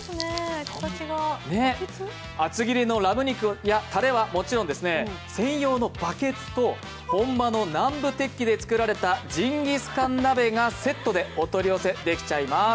厚切りのラム肉やたれはもちろん、専用のバケツと本場の南部鉄器で作られたジンギスカン鍋がセットでお取り寄せできちゃいます。